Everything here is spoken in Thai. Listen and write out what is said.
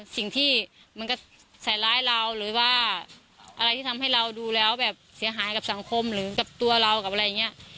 สิ่งที่มันก็ใส่ร้ายเราหรือว่าอะไรที่ทำให้เราดูแล้วแบบเสียหายกับสังคมหรือกับตัวเรากับอะไรอย่างนี้